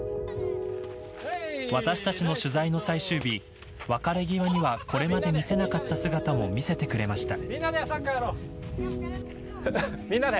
私たちの取材の最終日別れ際にはこれまで見せなかった姿も見せてくれました。